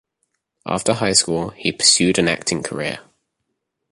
After high school, he pursued an acting career.